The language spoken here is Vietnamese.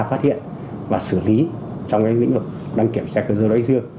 phát hiện và xử lý trong những lĩnh vực đăng kiểm xe cơ dơ đáy dương